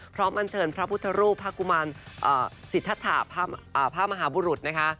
อันเชิญพระพุทธรูปพระกุมารสิทธาพระมหาบุรุษนะคะ